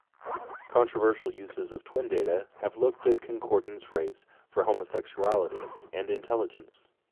Controversial uses of twin data have looked at concordance rates for homosexuality and intelligence.